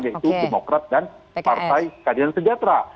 yaitu demokrat dan partai keadilan sejahtera